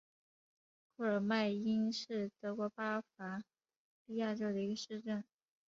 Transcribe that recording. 库尔迈因是德国巴伐利亚州的一个市镇。